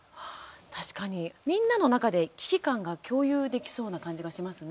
確かに、みんなの中で危機感が共有できそうな感じがしますね。